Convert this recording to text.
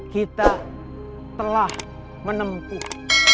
kita telah menempuh